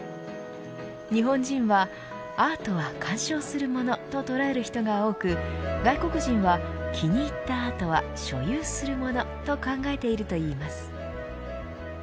日本人はアートは鑑賞するものと捉える人が多く外国人は、気に入ったアートは所有するものと考えているといいます。